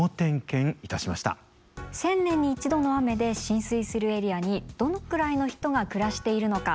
１０００年に１度の雨で浸水するエリアにどのくらいの人が暮らしているのか。